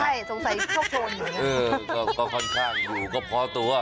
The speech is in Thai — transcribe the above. ใช่สงสัยโชคโทนอยู่นะเออก็ก็ค่อนข้างอยู่ก็พอตัว